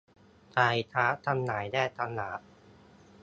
สายชาร์จจำหน่ายแยกต่างหาก